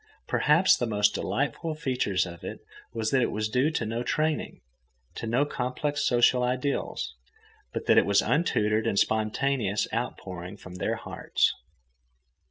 Perhaps the most delightful feature of it was that it was due to no training, to no complex social ideals, but that it was the untutored and spontaneous outpouring from their hearts.